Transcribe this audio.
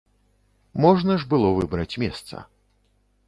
Можна ж было выбраць месца.